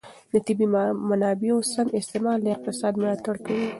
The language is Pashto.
د طبیعي منابعو سم استعمال د اقتصاد ملاتړ کوي.